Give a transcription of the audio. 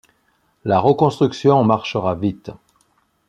La reconstruction marchera vite.